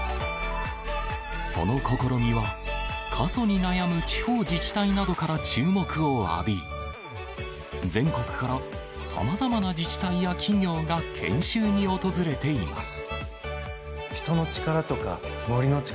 その試みは、過疎に悩む地方自治体などから注目を浴び全国からさまざまな自治体や企業が研修に訪れています。